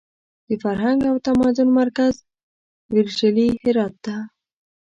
د فرهنګ او تمدن مرکز ویرژلي هرات ته!